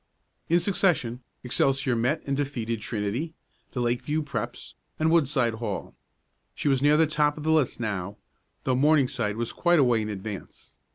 In succession Excelsior met and defeated Trinity, the Lakeview Preps. and Woodside Hall. She was near the top of the list now, though Morningside was quite a way in advance.